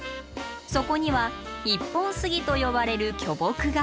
そこには「一本杉」と呼ばれる巨木が。